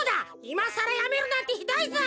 いまさらやめるなんてひどいぞ！